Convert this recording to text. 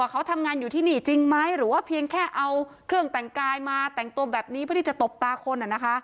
เขาทำงานอยู่ที่นี่จริงไหมหรือว่าเพียงแค่เอาเครื่องแต่งกายมาแต่งตัวแบบนี้เพื่อที่จะตบตาคน